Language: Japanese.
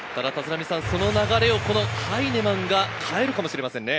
その流れをハイネマンが変えるかもしれませんね。